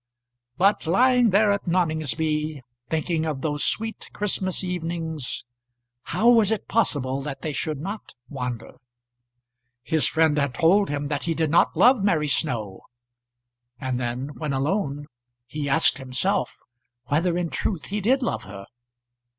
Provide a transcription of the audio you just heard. But, lying there at Noningsby, thinking of those sweet Christmas evenings, how was it possible that they should not wander? His friend had told him that he did not love Mary Snow; and then, when alone, he asked himself whether in truth he did love her.